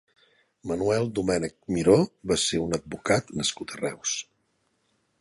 Manuel Domènech Miró va ser un advocat nascut a Reus.